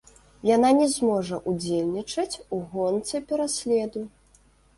Яна не зможа ўдзельнічаць у гонцы пераследу.